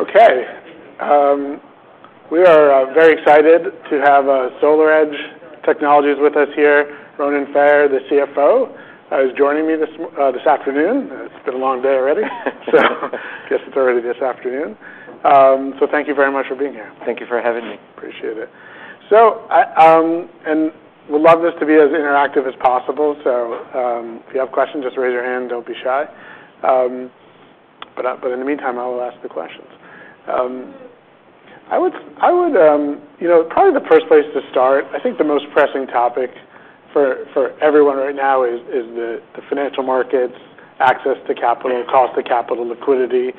Okay. We are very excited to have SolarEdge Technologies with us here. Ronen Faier, the CFO, is joining me this afternoon. It's been a long day already. Guess it's already this afternoon. Thank you very much for being here. Thank you for having me. Appreciate it. Would love this to be as interactive as possible, so if you have questions, just raise your hand, don't be shy. In the meantime, I will ask the questions. I would, you know, probably the first place to start, I think the most pressing topic for everyone right now is the financial markets, access to capital, cost to capital liquidity.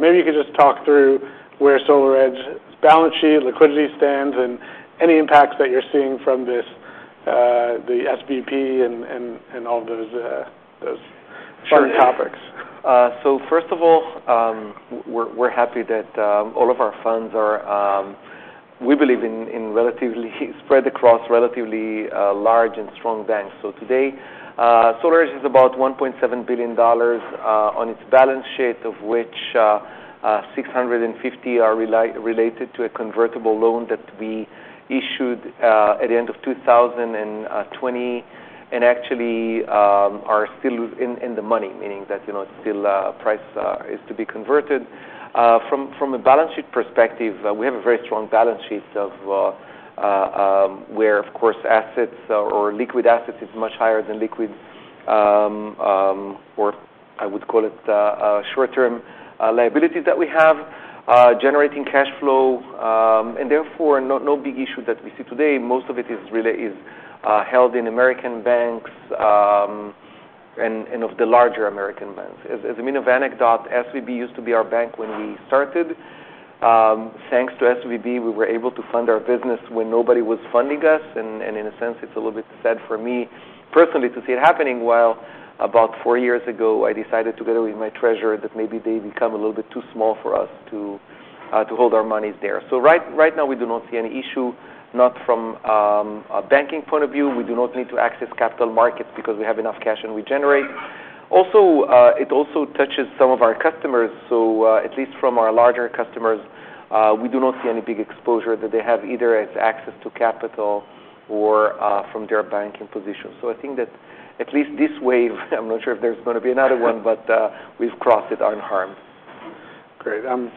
maybe you could just talk through where SolarEdge's balance sheet liquidity stands and any impacts that you're seeing from this, the SVB and all those fun topics. Sure. First of all, we're happy that all of our funds are, we believe, in relatively spread across relatively large and strong banks. Today, SolarEdge is about $1.7 billion on its balance sheet, of which $650 million are related to a convertible loan that we issued at the end of 2020, and actually are still in the money, meaning that, you know, still price is to be converted. From a balance sheet perspective, we have a very strong balance sheet where of course, assets or liquid assets is much higher than liquid or I would call it a short-term liability that we have, generating cash flow. Therefore, no big issue that we see today. Most of it is really held in American banks, and of the larger American banks. As a mean of anecdote, SVB used to be our bank when we started. Thanks to SVB, we were able to fund our business when nobody was funding us. In a sense, it's a little bit sad for me personally to see it happening, while about four years ago, I decided together with my treasurer, that maybe they become a little bit too small for us to hold our monies there. Right now, we do not see any issue, not from a banking point of view. We do not need to access capital markets because we have enough cash, and we generate. Also, it also touches some of our customers. At least from our larger customers, we do not see any big exposure that they have either as access to capital or, from their banking position. I think that at least this wave, I'm not sure if there's gonna be another one, but, we've crossed it unharmed. Great. I'm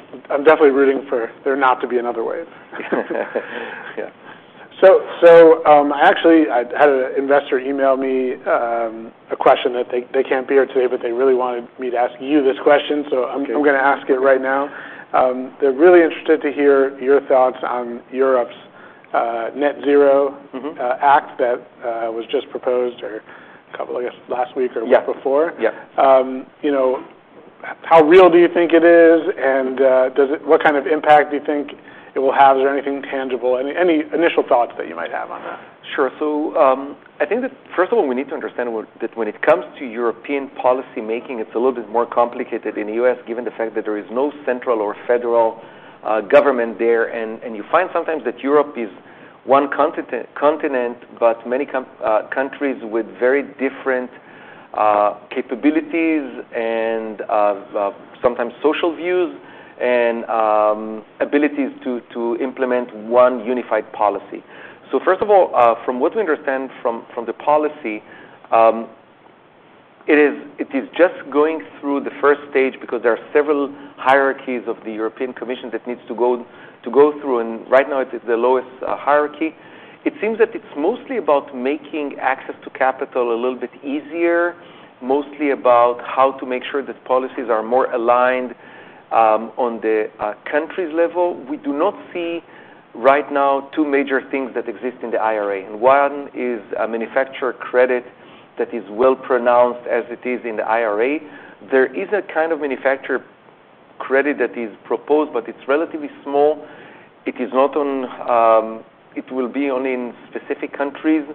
definitely rooting for there not to be another wave. Yeah. Actually, I had an investor email me, a question that they can't be here today, but they really wanted me to ask you this question. Okay. I'm gonna ask it right now. They're really interested to hear your thoughts on Europe's Net-Zero Act. Mm-hmm. That was just proposed or a couple, I guess, last week or week before. Yeah. Yeah. You know, how real do you think it is? What kind of impact do you think it will have? Is there anything tangible? Any initial thoughts that you might have on that? I think that, first of all, we need to understand that when it comes to European policymaking, it's a little bit more complicated in the U.S., given the fact that there is no central or federal government there. You find sometimes that Europe is one continent, but many countries with very different capabilities, and sometimes social views and abilities to implement one unified policy. First of all, from what we understand from the policy, it is just going through the first stage because there are several hierarchies of the European Commission that needs to go through, and right now it is the lowest hierarchy. It seems that it's mostly about making access to capital a little bit easier, mostly about how to make sure that policies are more aligned, on the country's level. We do not see right now two major things that exist in the IRA, and one is a manufacturer credit that is well pronounced as it is in the IRA. There is a kind of manufacturer credit that is proposed, but it's relatively small. It is not on. It will be only in specific countries,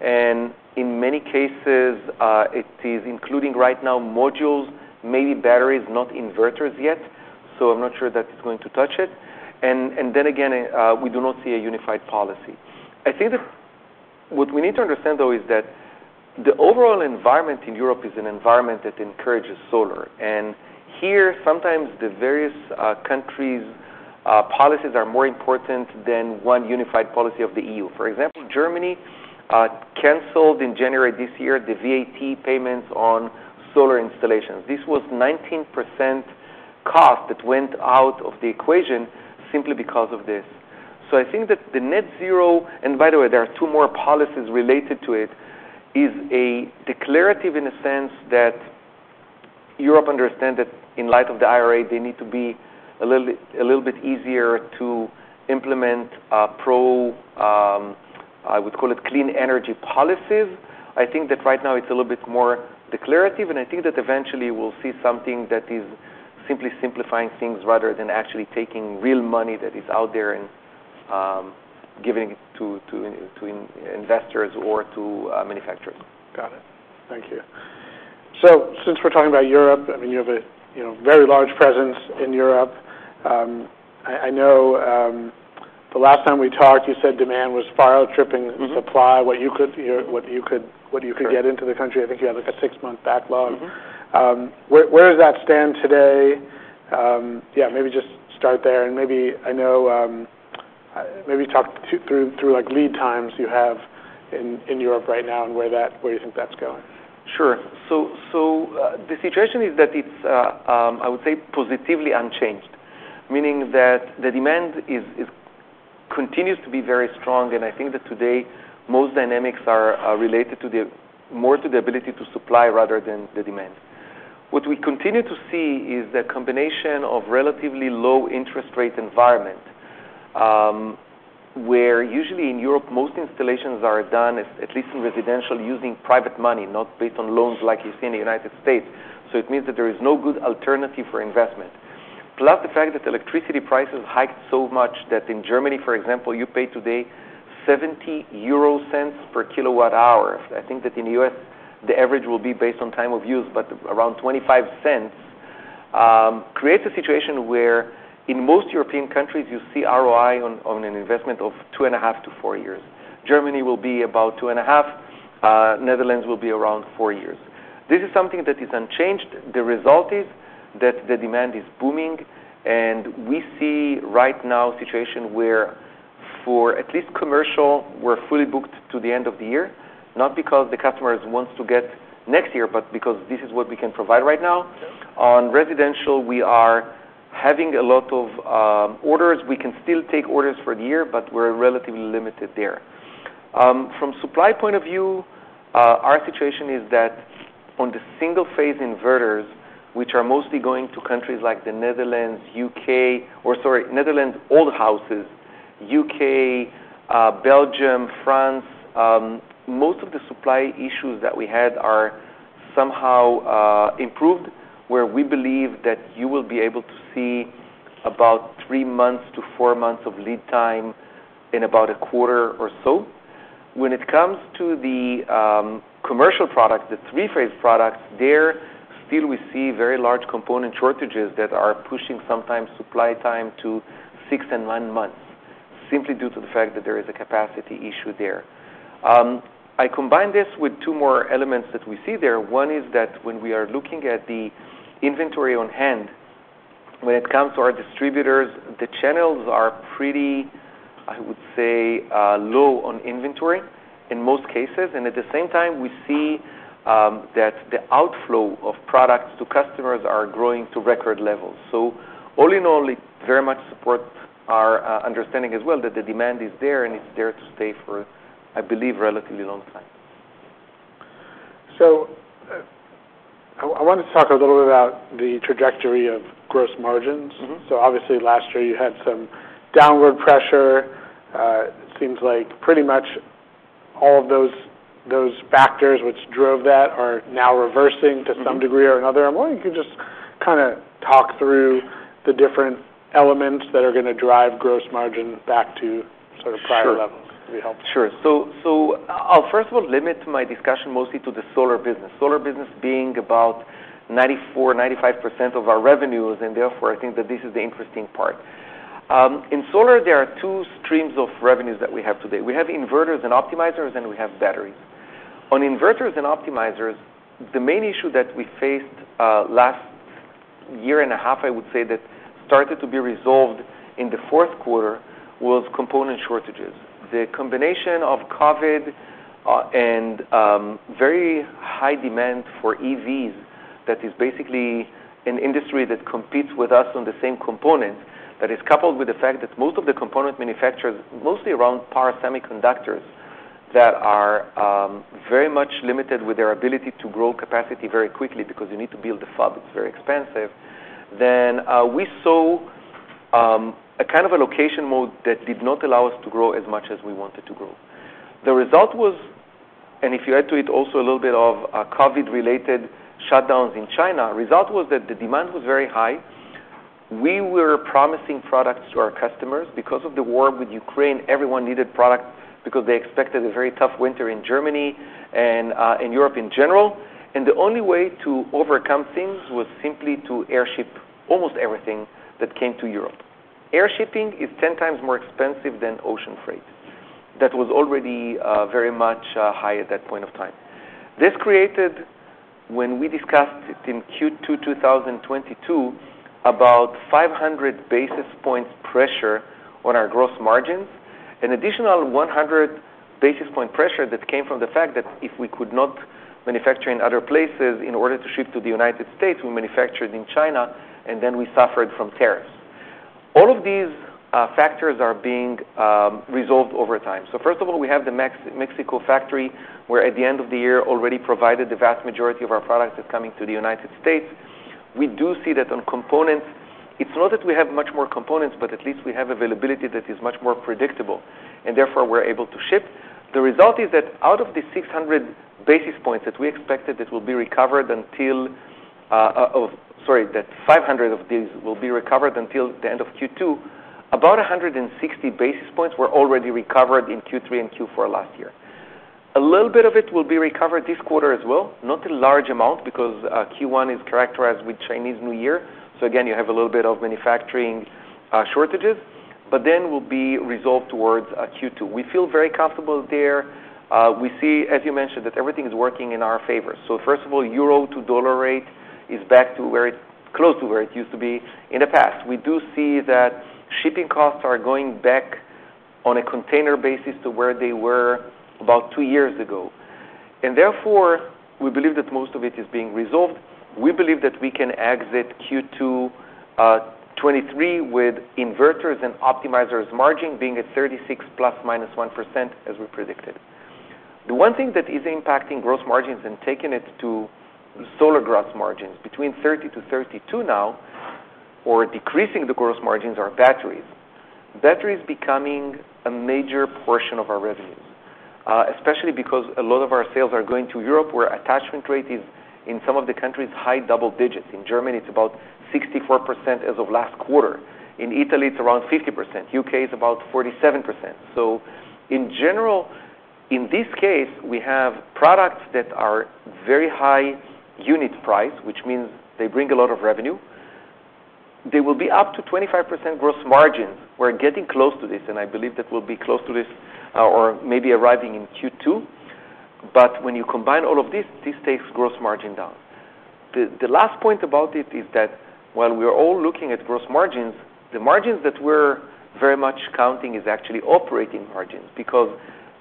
and in many cases, it is including right now modules, maybe batteries, not inverters yet. So I'm not sure that it's going to touch it. Then again, we do not see a unified policy. I think that what we need to understand, though, is that the overall environment in Europe is an environment that encourages solar. Here, sometimes the various countries' policies are more important than one unified policy of the EU. For example, Germany canceled in January this year, the VAT payments on solar installations. This was 19% cost that went out of the equation simply because of this. I think that the Net-Zero, and by the way, there are two more policies related to it, is a declarative in a sense that Europe understand that in light of the IRA, they need to be a little bit easier to implement a pro, I would call it clean energy policies. I think that right now it's a little bit more declarative, and I think that eventually we'll see something that is simply simplifying things rather than actually taking real money that is out there and, giving it to investors or to manufacturers. Got it. Thank you. Since we're talking about Europe, I mean, you have a, you know, very large presence in Europe. I know, the last time we talked, you said demand was far outstripping supply. What you could get into the country, I think you had like a six-month backlog. Mm-hmm. Where does that stand today? Yeah, maybe just start there and maybe I know, maybe talk through like lead times you have in Europe right now and where you think that's going. Sure. The situation is that it's I would say positively unchanged, meaning that the demand continues to be very strong, and I think that today most dynamics are related more to the ability to supply rather than the demand. What we continue to see is the combination of relatively low interest rate environment, where usually in Europe, most installations are done at least in residential, using private money, not based on loans like you see in the United States. It means that there is no good alternative for investment. Plus, the fact that electricity prices hiked so much that in Germany, for example, you pay today 0.70 per kWh. I think that in the U.S., the average will be based on time of use, but around $0.25, creates a situation where in most European countries you see ROI on an investment of 2.5 to four years. Germany will be about 2.5. Netherlands will be around four years. This is something that is unchanged. The result is that the demand is booming, and we see right now a situation where for at least commercial, we're fully booked to the end of the year, not because the customers wants to get next year, but because this is what we can provide right now. Sure. On residential, we are having a lot of orders. We can still take orders for the year, but we're relatively limited there. From supply point of view, our situation is that on the single-phase inverters, which are mostly going to countries like the Netherlands, U.K., or sorry, Netherland's old houses, U.K., Belgium, France, most of the supply issues that we had are somehow improved, where we believe that you will be able to see about three months to four months of lead time in about a quarter or so. It comes to the commercial products, the three-phase products, there still we see very large component shortages that are pushing sometimes supply time to six and nine months simply due to the fact that there is a capacity issue there. I combine this with two more elements that we see there. One is that when we are looking at the inventory on hand, when it comes to our distributors, the channels are pretty, I would say, low on inventory in most cases. At the same time, we see that the outflow of products to customers are growing to record levels. All in all, it very much supports our understanding as well that the demand is there and it's there to stay for, I believe, relatively long time. I wanted to talk a little bit about the trajectory of gross margins. Mm-hmm. Obviously last year you had some downward pressure. Seems like pretty much all of those factors which drove that are now reversing. Mm-hmm. To some degree or another. I'm wondering if you could just kinda talk through the different elements that are gonna drive gross margin back to sort of prior levels. Sure. It'd be helpful. Sure. I'll, first of all, limit my discussion mostly to the solar business. Solar business being about 94%, 95% of our revenues, and therefore, I think that this is the interesting part. In solar, there are two streams of revenues that we have today. We have inverters and optimizers, and we have batteries. On inverters and optimizers, the main issue that we faced, last 1.5 years, I would say, that started to be resolved in the fourth quarter was component shortages. The combination of COVID, and very high demand for EVs, that is basically an industry that competes with us on the same components. That is coupled with the fact that most of the component manufacturers, mostly around power semiconductors that are very much limited with their ability to grow capacity very quickly because you need to build a fab, it's very expensive. We saw a kind of allocation mode that did not allow us to grow as much as we wanted to grow. If you add to it also a little bit of COVID-related shutdowns in China, result was that the demand was very high. We were promising products to our customers. Because of the war with Ukraine, everyone needed product because they expected a very tough winter in Germany and in Europe in general. The only way to overcome things was simply to airship almost everything that came to Europe. Air shipping is 10 times more expensive than ocean freight. That was already very much high at that point of time. This created, when we discussed it in Q2 2022, about 500 basis points pressure on our gross margins. An additional 100 basis point pressure that came from the fact that if we could not manufacture in other places in order to ship to the United States, we manufactured in China, and then we suffered from tariffs. All of these factors are being resolved over time. First of all, we have the Mexico factory, where at the end of the year already provided the vast majority of our products that's coming to the United States. We do see that on components, it's not that we have much more components, but at least we have availability that is much more predictable, and therefore, we're able to ship. The result is that out of the 600 basis points that we expected that will be recovered until, sorry, that 500 of these will be recovered until the end of Q2, about 160 basis points were already recovered in Q3 and Q4 last year. A little bit of it will be recovered this quarter as well, not a large amount because Q1 is characterized with Chinese New Year. Again, you have a little bit of manufacturing shortages, will be resolved towards Q2. We feel very comfortable there. We see, as you mentioned, that everything is working in our favor. First of all, Euro to dollar rate is back to where it close to where it used to be in the past. We do see that shipping costs are going back on a container basis to where they were about two years ago. Therefore, we believe that most of it is being resolved. We believe that we can exit Q2 2023 with inverters and optimizers margin being at 36 ±1%, as we predicted. The one thing that is impacting gross margins and taking it to solar gross margins between 30%-32% now or decreasing the gross margins are batteries. Battery is becoming a major portion of our revenues, especially because a lot of our sales are going to Europe, where attachment rate is, in some of the countries, high double digits. In Germany, it's about 64% as of last quarter. In Italy, it's around 50%. U.K. is about 47%. In general, in this case, we have products that are very high unit price, which means they bring a lot of revenue. They will be up to 25% gross margins. We're getting close to this, and I believe that we'll be close to this, or maybe arriving in Q2. When you combine all of this takes gross margin down. The last point about it is that while we are all looking at gross margins, the margins that we're very much counting is actually operating margins because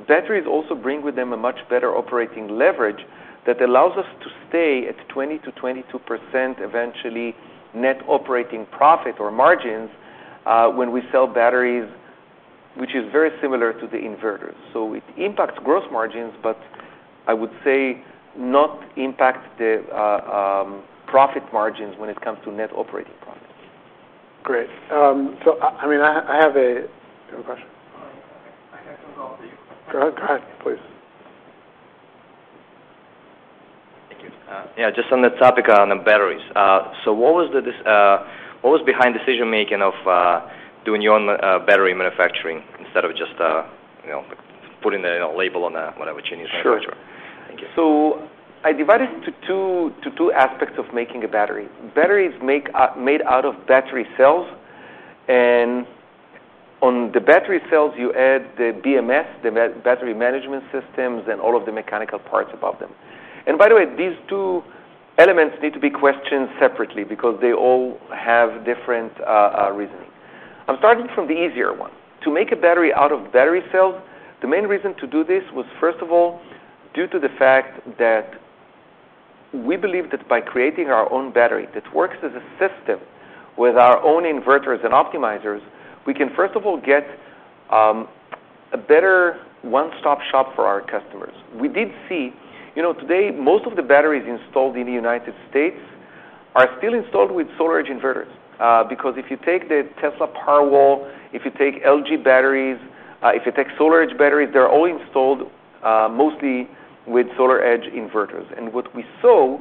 batteries also bring with them a much better operating leverage that allows us to stay at 20%-22% eventually net operating profit or margins, when we sell batteries, which is very similar to the inverters. It impacts gross margins, but I would say not impact the profit margins when it comes to net operating profits. Great. I mean, Do you have a question? I have some as well. Go ahead. Go ahead, please. Thank you. Yeah, just on the topic on the batteries. What was behind decision-making of doing your own battery manufacturing instead of just, you know, putting a label on a whatever Chinese manufacturer? Sure. Thank you. I divide it to two aspects of making a battery. Battery is made out of battery cells, and on the battery cells, you add the BMS, the battery management systems, and all of the mechanical parts above them. By the way, these two elements need to be questioned separately because they all have different reasoning. I'm starting from the easier one. To make a battery out of battery cells, the main reason to do this was, first of all, due to the fact that we believe that by creating our own battery that works as a system with our own inverters and optimizers, we can, first of all, get a better one-stop shop for our customers. You know, today, most of the batteries installed in the United States are still installed with SolarEdge inverters. Because if you take the Tesla Powerwall, if you take LG batteries, if you take SolarEdge batteries, they're all installed mostly with SolarEdge inverters. What we saw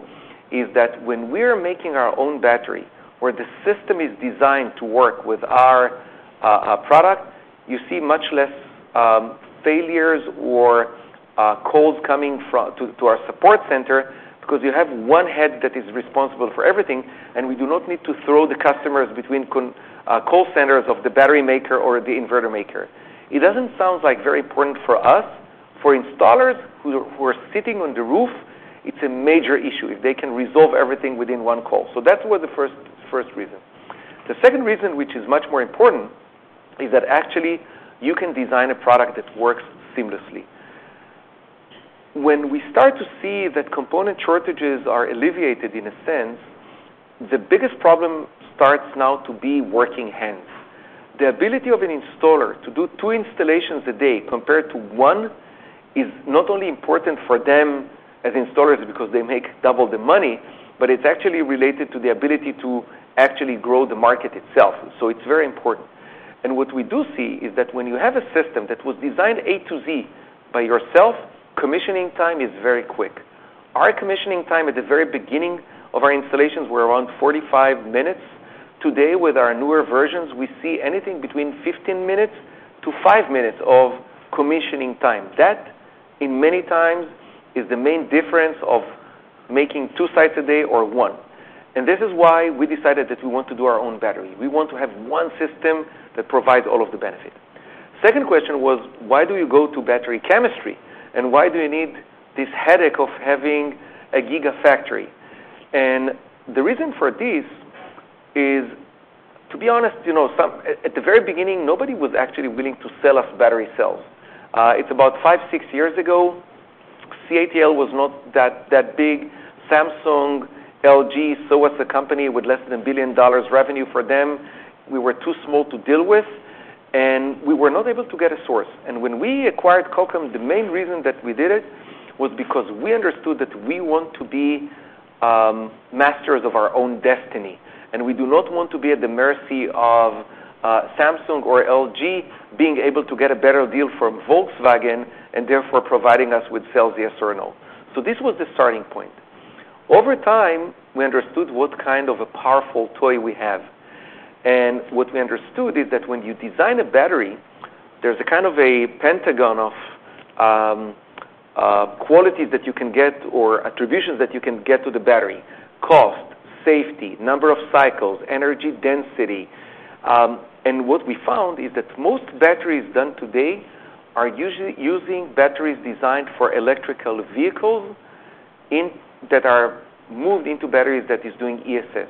is that when we're making our own battery, where the system is designed to work with our product, you see much less failures or calls coming to our support center because you have one head that is responsible for everything, and we do not need to throw the customers between call centers of the battery maker or the inverter maker. It doesn't sound like very important for us. For installers who are sitting on the roof, it's a major issue if they can resolve everything within one call. That was the first reason. The second reason, which is much more important, is that actually you can design a product that works seamlessly. When we start to see that component shortages are alleviated in a sense, the biggest problem starts now to be working hands. The ability of an installer to do two installations a day compared to one is not only important for them as installers because they make double the money, but it's actually related to the ability to actually grow the market itself. It's very important. What we do see is that when you have a system that was designed A to Z by yourself, commissioning time is very quick. Our commissioning time at the very beginning of our installations were around 45 minutes. Today, with our newer versions, we see anything between 15 minutes to five minutes of commissioning time. In many times, is the main difference of making two sites a day or one. This is why we decided that we want to do our own battery. We want to have one system that provides all of the benefit. Second question was, why do you go to battery chemistry, and why do you need this headache of having a gigafactory? The reason for this is, to be honest, you know, at the very beginning, nobody was actually willing to sell us battery cells. It's about five, six years ago, CATL was not that big. Samsung, LG, so was a company with less than $1 billion revenue for them, we were too small to deal with, and we were not able to get a source. When we acquired Kokam, the main reason that we did it was because we understood that we want to be masters of our own destiny, we do not want to be at the mercy of Samsung or LG being able to get a better deal from Volkswagen and therefore providing us with cells they assert no. This was the starting point. Over time, we understood what kind of a powerful toy we have. What we understood is that when you design a battery, there's a kind of a pentagon of quality that you can get or attributions that you can get to the battery: cost, safety, number of cycles, energy density. What we found is that most batteries done today are using batteries designed for electrical vehicles that are moved into batteries that is doing ESS.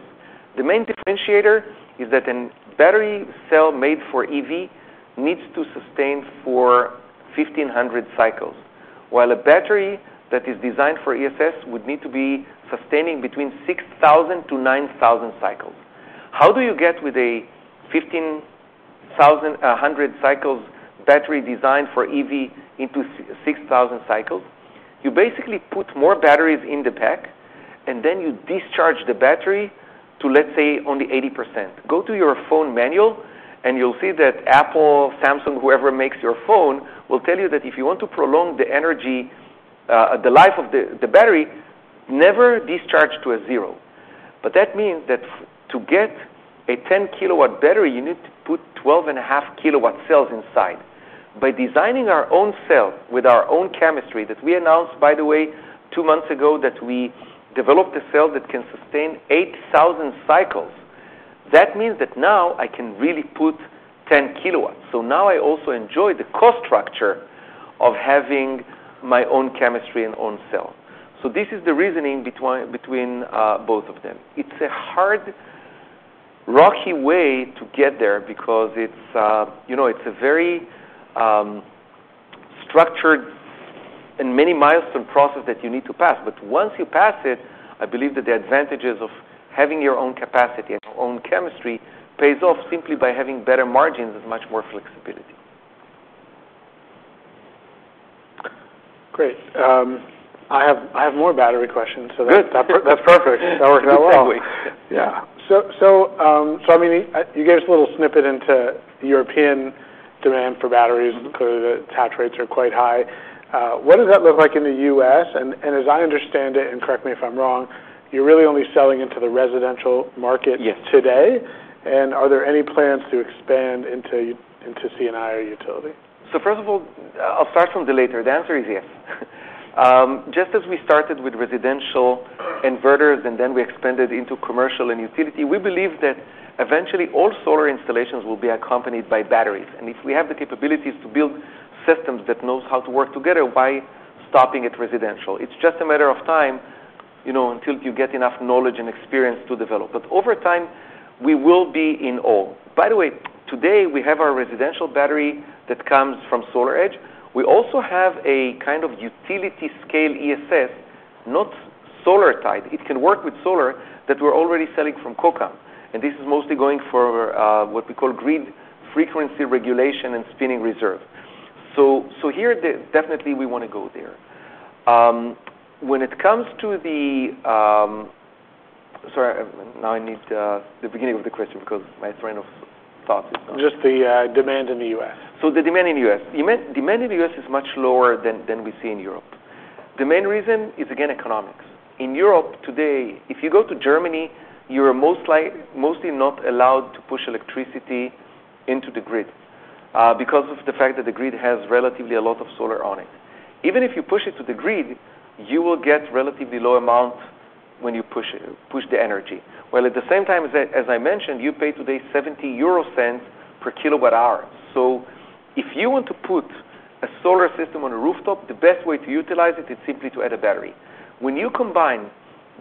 The main differentiator is that an battery cell made for EV needs to sustain for 1,500 cycles, while a battery that is designed for ESS would need to be sustaining between 6,000-9,000 cycles. How do you get with a 1,500 cycles battery designed for EV into 6,000 cycles? You basically put more batteries in the pack, and then you discharge the battery to, let's say, only 80%. Go to your phone manual, you'll see that Apple, Samsung, whoever makes your phone, will tell you that if you want to prolong the energy, the life of the battery, never discharge to a zero. That means that to get a 10 kW battery, you need to put 12.5 kW cells inside. By designing our own cell with our own chemistry that we announced, by the way, two months ago, that we developed a cell that can sustain 8,000 cycles, that means that now I can really put 10 kW. Now, I also enjoy the cost structure of having my own chemistry and own cell. This is the reasoning between both of them. It's a hard, rocky way to get there because it's, you know, it's a very structured and many milestone process that you need to pass. Once you pass it, I believe that the advantages of having your own capacity and your own chemistry pays off simply by having better margins with much more flexibility. Great. I have more battery questions. Good. That's perfect. That worked out well. Exactly. Yeah. I mean, you gave us a little snippet into European demand for batteries because attach rates are quite high. What does that look like in the U.S.? As I understand it, and correct me if I'm wrong, you're really only selling into the residential market today? Yes Are there any plans to expand into C&I or utility? First of all, I'll start from the later. The answer is yes. Just as we started with residential inverters, and then we expanded into commercial and utility, we believe that eventually all solar installations will be accompanied by batteries. If we have the capabilities to build systems that knows how to work together, why stopping at residential? It's just a matter of time, you know, until you get enough knowledge and experience to develop. Over time, we will be in all. By the way, today we have our residential battery that comes from SolarEdge. We also have a kind of utility-scale ESS, not solar type, it can work with solar, that we're already selling from Kokam, and this is mostly going for, what we call grid frequency regulation and spinning reserve. Here, definitely we wanna go there. When it comes to the, sorry, now I need the beginning of the question because my train of thought is not- Just the demand in the U.S. Demand in the U.S. is much lower than we see in Europe. The main reason is, again, economics. In Europe today, if you go to Germany, you're mostly not allowed to push electricity into the grid because of the fact that the grid has relatively a lot of solar on it. Even if you push it to the grid, you will get relatively low amount when you push the energy. While at the same time, as I mentioned, you pay today 0.70 per kWh. If you want to put a solar system on a rooftop, the best way to utilize it is simply to add a battery. When you combine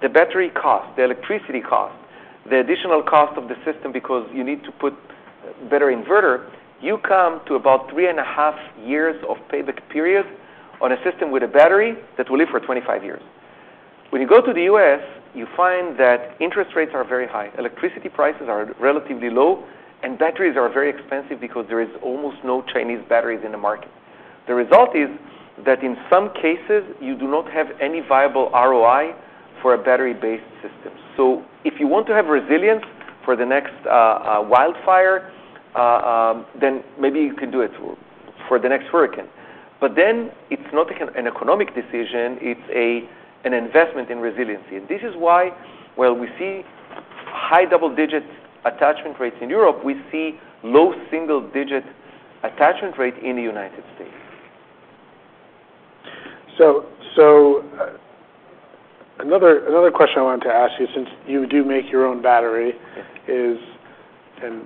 the battery cost, the electricity cost, the additional cost of the system because you need to put better inverter, you come to about 3.5 years of payback period on a system with a battery that will live for 25 years. When you go to the U.S., you find that interest rates are very high, electricity prices are relatively low, and batteries are very expensive because there is almost no Chinese batteries in the market. The result is that in some cases, you do not have any viable ROI for a battery-based system. If you want to have resilience for the next wildfire, then maybe you can do it for the next hurricane. It's not an economic decision, it's an investment in resiliency. This is why, while we see high double-digit attachment rates in Europe, we see low single-digit attachment rate in the United States. Another question I wanted to ask you, since you do make your own battery. Yeah Is, and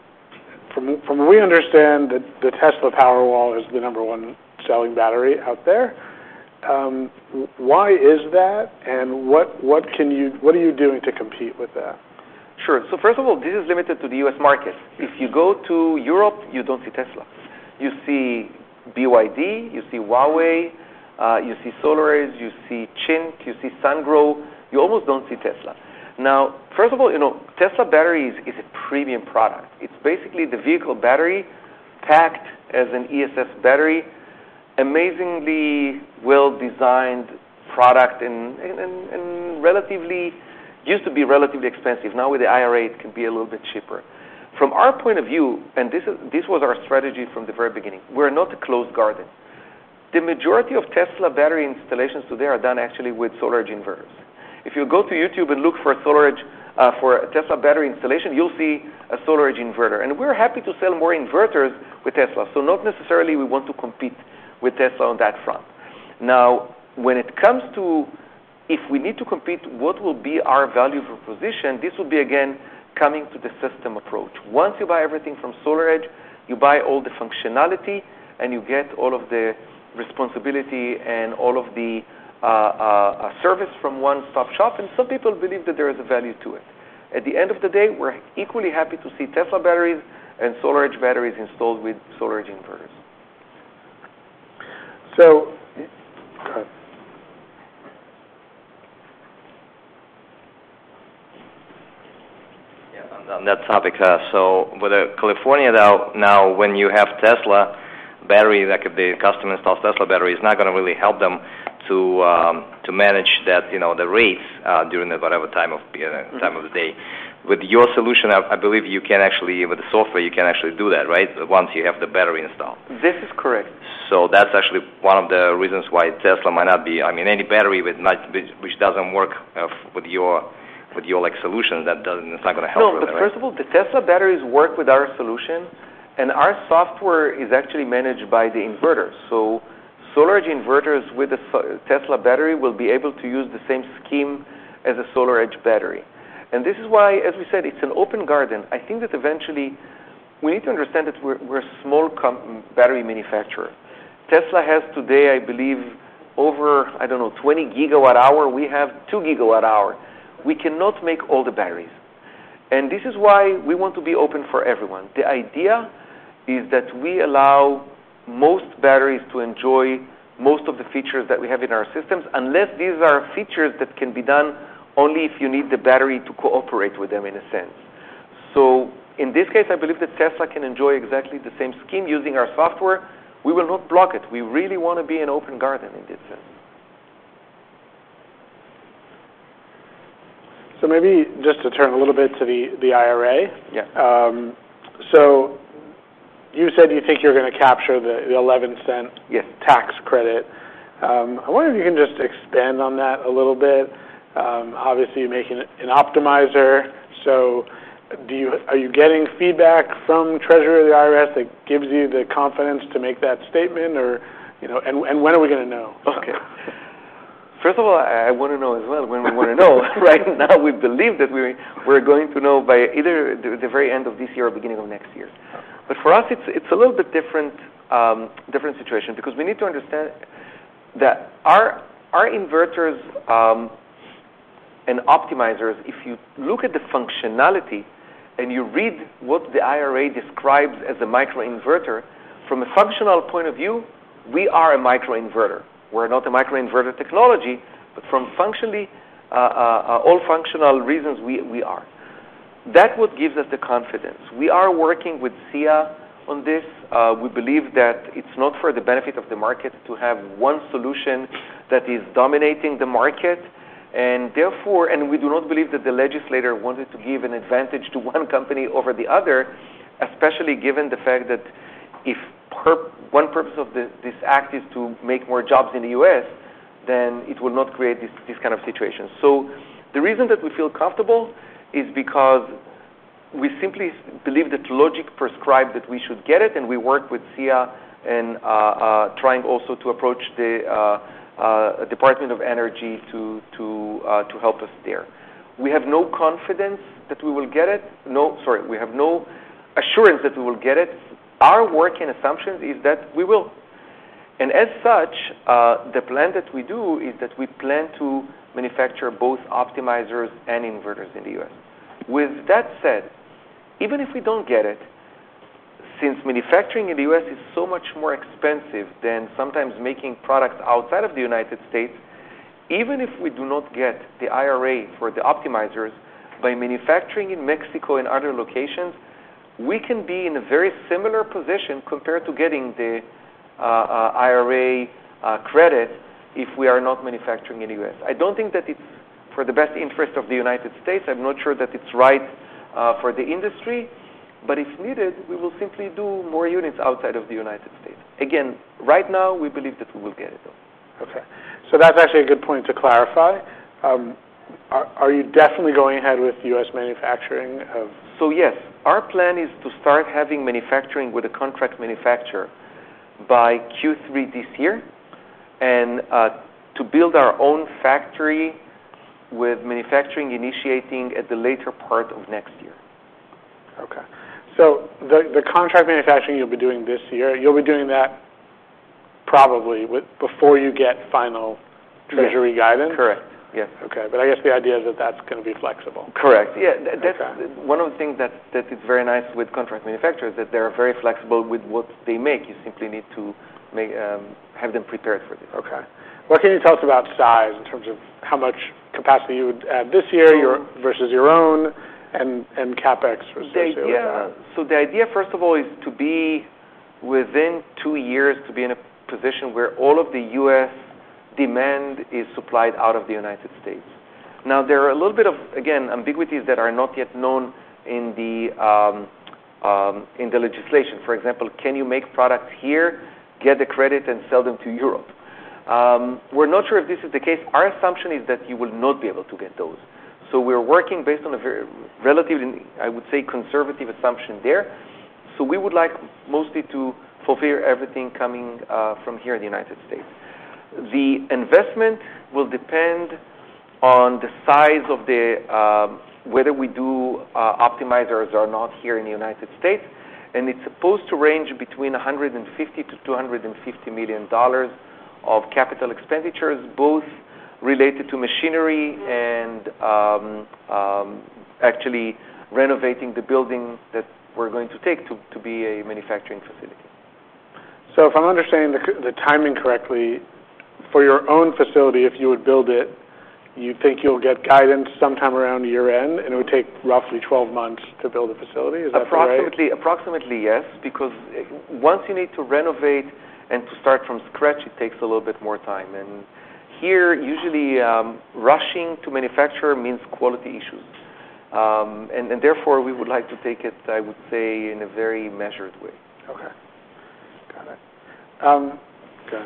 from what we understand, the Tesla Powerwall is the number one selling battery out there. Why is that, and what are you doing to compete with that? Sure. First of all, this is limited to the U.S. market. If you go to Europe, you don't see Tesla. You see BYD, you see Huawei, you see SolarEdge, you see CHINT, you see Sungrow. You almost don't see Tesla. First of all, you know, Tesla batteries is a premium product. It's basically the vehicle battery packed as an ESS battery, amazingly well-designed product and relatively used to be relatively expensive. With the IRA, it can be a little bit cheaper. From our point of view, this was our strategy from the very beginning, we're not a closed garden. The majority of Tesla battery installations today are done actually with SolarEdge inverters. If you go to YouTube and look for SolarEdge, for a Tesla battery installation, you'll see a SolarEdge inverter. We're happy to sell more inverters with Tesla. Not necessarily we want to compete with Tesla on that front. Now, when it comes to if we need to compete, what will be our value proposition? This will be, again, coming to the system approach. Once you buy everything from SolarEdge, you buy all the functionality, and you get all of the responsibility and all of the service from one-stop shop. Some people believe that there is a value to it. At the end of the day, we're equally happy to see Tesla batteries and SolarEdge batteries installed with SolarEdge inverters. Go ahead. Yeah. On that topic, with California now, when you have Tesla battery, like, the customer installs Tesla battery, it's not gonna really help them to manage that, you know, the rates during the whatever time of, you know, time of the day. With your solution, I believe you can actually, with the software, you can actually do that, right? Once you have the battery installed. This is correct. That's actually one of the reasons why Tesla might not be, I mean, any battery which doesn't work with your, with your, like, solution, it's not gonna help with that, right? No. First of all, the Tesla batteries work with our solution, and our software is actually managed by the inverters. SolarEdge inverters with the Tesla battery will be able to use the same scheme as a SolarEdge battery. This is why, as we said, it's an open garden. I think that eventually we need to understand that we're a small battery manufacturer. Tesla has today, I believe, over, I don't know, 20 GWh. We have 2 GWh. We cannot make all the batteries. This is why we want to be open for everyone. The idea is that we allow most batteries to enjoy most of the features that we have in our systems, unless these are features that can be done only if you need the battery to cooperate with them, in a sense. In this case, I believe that Tesla can enjoy exactly the same scheme using our software. We will not block it. We really wanna be an open garden in this sense. Maybe just to turn a little bit to the IRA. Yeah. You said you think you're gonna capture the $0.11- Yes. -tax credit. I wonder if you can just expand on that a little bit. Obviously you're making an optimizer, so are you getting feedback from Treasury or the IRS that gives you the confidence to make that statement or, you know? When are we gonna know? Okay. First of all, I wanna know as well when we wanna know. Right now, we believe that we're going to know by either the very end of this year or beginning of next year. Okay. For us, it's a little bit different situation because we need to understand that our inverters and optimizers, if you look at the functionality and you read what the IRA describes as a microinverter, from a functional point of view, we are a microinverter. We're not a Microinverter Technology, but from functionally, all functional reasons, we are. That what gives us the confidence. We are working with SEIA on this. We believe that it's not for the benefit of the market to have one solution that is dominating the market. Therefore, we do not believe that the legislator wanted to give an advantage to one company over the other, especially given the fact that if one purpose of this act is to make more jobs in the U.S., then it will not create this kind of situation. The reason that we feel comfortable is because we simply believe that logic prescribed that we should get it, and we work with SEIA and trying also to approach the Department of Energy to help us there. We have no confidence that we will get it. No. Sorry. We have no assurance that we will get it. Our working assumption is that we will. As such, the plan that we do is that we plan to manufacture both optimizers and inverters in the U.S. With that said, even if we don't get it, since manufacturing in the U.S. is so much more expensive than sometimes making products outside of the United States, even if we do not get the IRA for the optimizers, by manufacturing in Mexico and other locations, we can be in a very similar position compared to getting the IRA credit if we are not manufacturing in the U.S. I don't think that it's for the best interest of the United States. I'm not sure that it's right for the industry. If needed, we will simply do more units outside of the United States. Again, right now, we believe that we will get it, though. Okay. That's actually a good point to clarify. Are you definitely going ahead with US manufacturing? So, yes. Our plan is to start having manufacturing with a contract manufacturer by Q3 this year, and to build our own factory with manufacturing initiating at the later part of next year. Okay. The contract manufacturing you'll be doing this year, you'll be doing that probably with before you get Treasury guidance? Correct. Yes. Okay. I guess the idea is that that's gonna be flexible. Correct. Yeah. Okay. That's one of the things that is very nice with contract manufacturers, that they're very flexible with what they make. You simply need to make, have them prepared for this. Okay. What can you tell us about size in terms of how much capacity you would add this year, versus your own and CapEx associated with that? Yeah. The idea, first of all, is to be within two years to be in a position where all of the U.S. demand is supplied out of the United States. Now, there are a little bit of, again, ambiguities that are not yet known in the legislation. For example, can you make products here, get the credit, and sell them to Europe? We're not sure if this is the case. Our assumption is that you will not be able to get those. We're working based on a very relatively, I would say, conservative assumption there. We would like mostly to fulfill everything coming from here in the United States. The investment will depend on the size of the, whether we do optimizers or not here in the United States, and it's supposed to range between $150 million and $250 million of capital expenditures, both related to machinery and actually renovating the building that we're going to take to be a manufacturing facility. If I'm understanding the timing correctly, for your own facility, if you would build it, you think you'll get guidance sometime around year-end, and it would take roughly 12 months to build a facility. Is that right? Approximately, yes. Because once you need to renovate and to start from scratch, it takes a little bit more time. Here, usually, rushing to manufacture means quality issues. Therefore, we would like to take it, I would say, in a very measured way. Okay. Got it. Okay.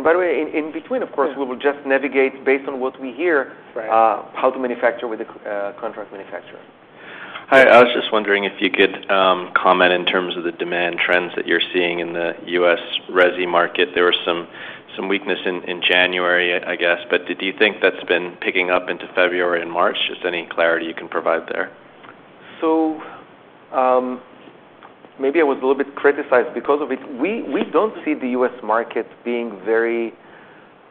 By the way, in between, of course, we will just navigate based on what we hear. Right How to manufacture with a contract manufacturer. Hi. I was just wondering if you could comment in terms of the demand trends that you're seeing in the U.S. resi market. There was some weakness in January, I guess. Did you think that's been picking up into February and March? Just any clarity you can provide there. Maybe I was a little bit criticized because of it. We don't see the U.S. market being very,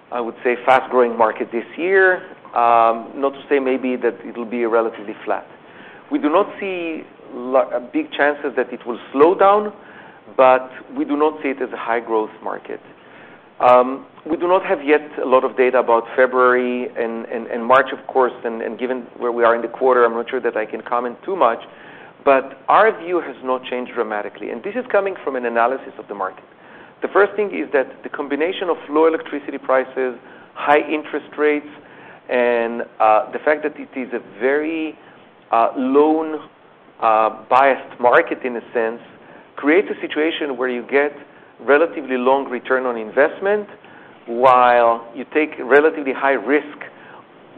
I would say, fast-growing market this year. Not to say maybe that it'll be relatively flat. We do not see a big chances that it will slow down, but we do not see it as a high-growth market. We do not have yet a lot of data about February and March, of course. Given where we are in the quarter, I'm not sure that I can comment too much, but our view has not changed dramatically, and this is coming from an analysis of the market. The first thing is that the combination of low electricity prices, high interest rates, and the fact that it is a very loan-biased market in a sense, creates a situation where you get relatively long return on investment while you take relatively high risk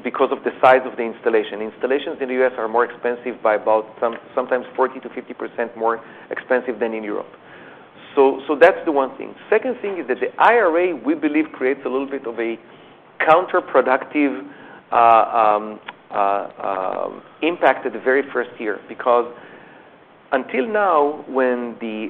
because of the size of the installation. Installations in the U.S. are more expensive by about sometimes 40%-50% more expensive than in Europe. That's the one thing. Second thing is that the IRA, we believe, creates a little bit of a counterproductive impact at the very first year. Because until now, when the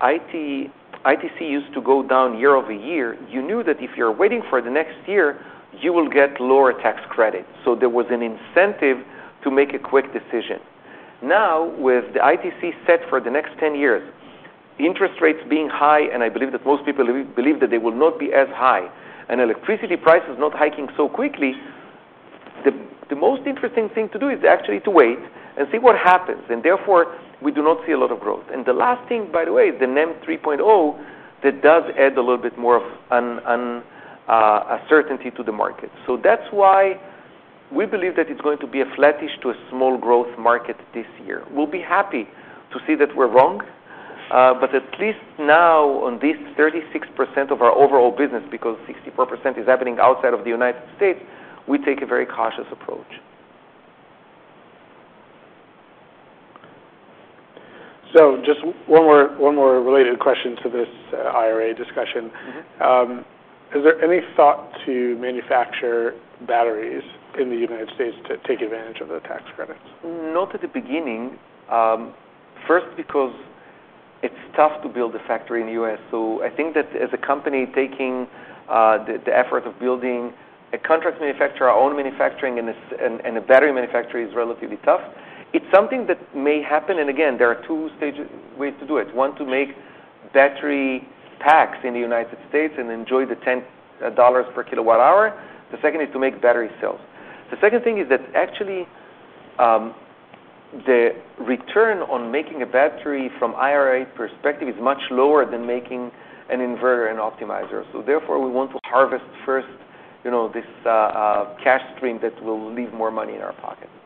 ITC used to go down year-over-year, you knew that if you're waiting for the next year, you will get lower tax credit. There was an incentive to make a quick decision. Now, with the ITC set for the next 10 years, interest rates being high, and I believe that most people believe that they will not be as high, and electricity prices not hiking so quickly, the most interesting thing to do is actually to wait and see what happens, and therefore we do not see a lot of growth. The last thing, by the way, the NEM 3.0, that does add a little bit more of a certainty to the market. That's why we believe that it's going to be a flattish to a small growth market this year. We'll be happy to see that we're wrong. At least now, on this 36% of our overall business, because 64% is happening outside of the United States, we take a very cautious approach. Just one more related question to this, IRA discussion. Mm-hmm. Is there any thought to manufacture batteries in the United States to take advantage of the tax credits? Not at the beginning. First, because it's tough to build a factory in the U.S. I think that as a company, taking the effort of building a contract manufacturer, our own manufacturing in a battery manufacturer is relatively tough. It's something that may happen. Again, there are two stages, ways to do it. One, to make battery packs in the United States and enjoy the $10 per kWh. The second is to make battery cells. The second thing is that actually, the return on making a battery from IRA perspective is much lower than making an inverter and optimizer. Therefore, we want to harvest first, you know, this cash stream that will leave more money in our pocket. Okay. Well,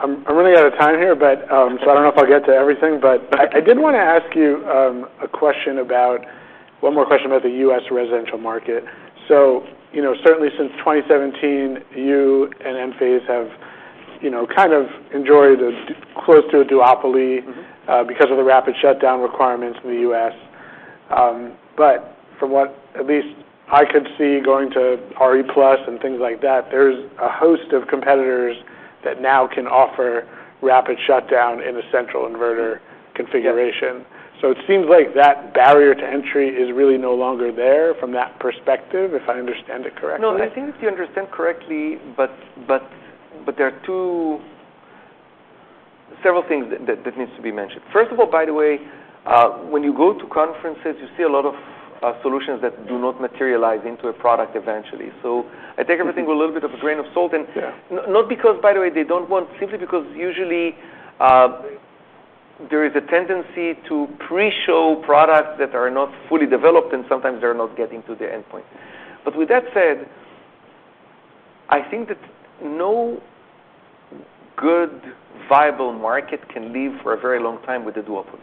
I'm running out of time here, but, so I don't know if I'll get to everything. Okay I did wanna ask you, one more question about the U.S. residential market. you know, certainly since 2017, you and Enphase have, you know, kind of enjoyed a close to a duopoly. Mm-hmm Because of the rapid shutdown requirements in the U.S. From what at least I could see going to RE+ and things like that, there's a host of competitors that now can offer rapid shutdown in a central inverter configuration. Yes. It seems like that barrier to entry is really no longer there from that perspective, if I understand it correctly. No. I think that you understand correctly, but there are several things that needs to be mentioned. First of all, by the way, when you go to conferences, you see a lot of solutions that do not materialize into a product eventually. I take everything with a little bit of a grain of salt. Yeah. Not because, by the way, they don't want. Simply because usually, there is a tendency to pre-show products that are not fully developed, and sometimes they're not getting to their endpoint. With that said, I think that no good viable market can live for a very long time with a duopoly.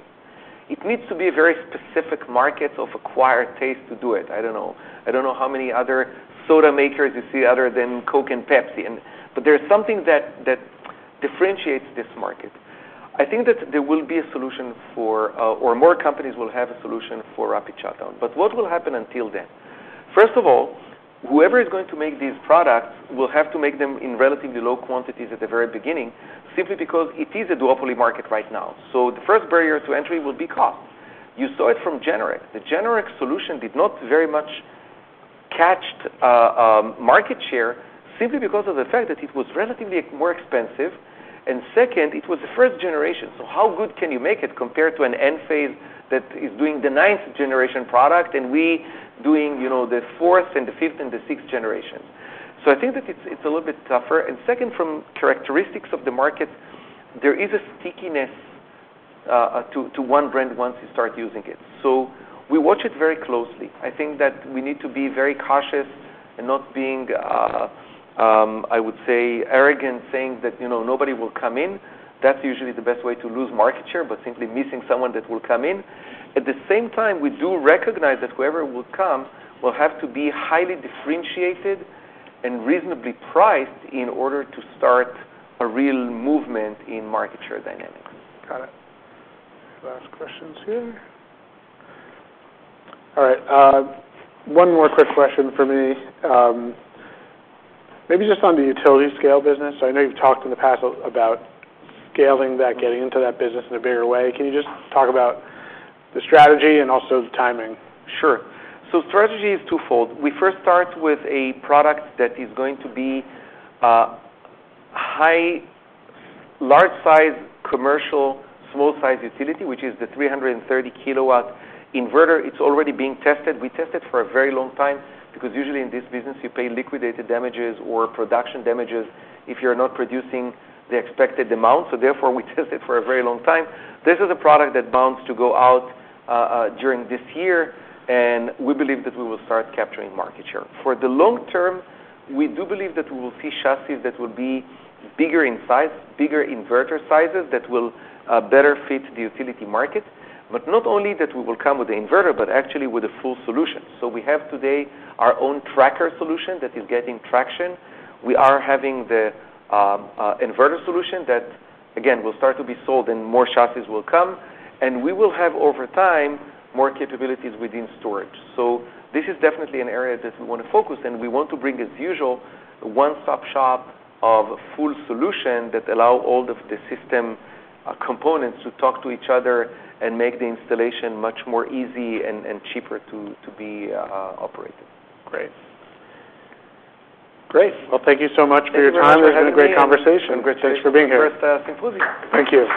It needs to be a very specific market of acquired taste to do it. I don't know, I don't know how many other soda makers you see other than Coke and Pepsi. There's something that differentiates this market. I think that there will be a solution for, or more companies will have a solution for rapid shutdown. What will happen until then? First of all, whoever is going to make these products will have to make them in relatively low quantities at the very beginning, simply because it is a duopoly market right now. The first barrier to entry will be cost. You saw it from Generac. The Generac solution did not very much catch market share simply because of the fact that it was relatively more expensive, and second, it was the first generation. How good can you make it compared to an Enphase that is doing the 9th generation product and we doing, you know, the fourth and the 5th and the 6th generation? I think that it's a little bit tougher. Second, from characteristics of the market, there is a stickiness to one brand once you start using it. We watch it very closely. I think that we need to be very cautious and not being, I would say arrogant, saying that, you know, nobody will come in. That's usually the best way to lose market share by simply missing someone that will come in. At the same time, we do recognize that whoever will come will have to be highly differentiated and reasonably priced in order to start a real movement in market share dynamics. Got it. Last questions here. All right. One more quick question from me. Maybe just on the utility scale business. I know you've talked in the past about scaling that, getting into that business in a bigger way. Can you just talk about the strategy and also the timing? Sure. Strategy is twofold. We first start with a product that is going to be large size commercial, small size utility, which is the 330 kW inverter. It's already being tested. We test it for a very long time because usually in this business you pay liquidated damages or production damages if you're not producing the expected amount. Therefore, we test it for a very long time. This is a product that bounds to go out during this year, and we believe that we will start capturing market share. For the long term, we do believe that we will see chassis that will be bigger in size, bigger inverter sizes that will better fit the utility market. Not only that we will come with the inverter, but actually with a full solution. We have today our own tracker solution that is getting traction. We are having the inverter solution that again, will start to be sold and more chassis will come, and we will have over time, more capabilities within storage. This is definitely an area that we wanna focus and we want to bring as usual, a one-stop shop of a full solution that allow all of the system components to talk to each other and make the installation much more easy and cheaper to be operated. Great. Well, thank you so much for your time. Thank you very much for having me. This has been a great conversation. Great. Thanks for being here. Thank you.